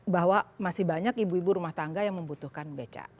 bahwa masih banyak ibu ibu rumah tangga yang membutuhkan beca